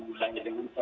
dan keluar kota makassar